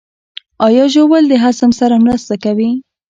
ایا ژوول د هضم سره مرسته کوي؟